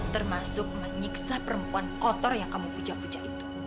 termasuk menyiksa perempuan kotor yang kamu puja puja itu